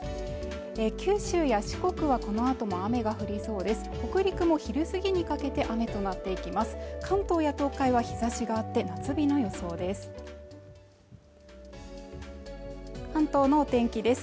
九州や四国はこのあとも雨が降りそうです